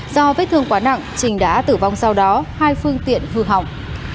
do vết thương quá nặng trình đã tử vong sau đó hai phương tiện vừa hỏng